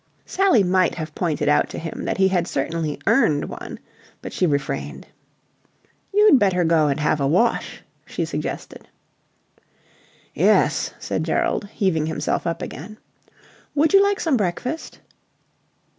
Sally might have pointed out to him that he had certainly earned one, but she refrained. "You'd better go and have a wash," she suggested. "Yes," said Gerald, heaving himself up again. "Would you like some breakfast?"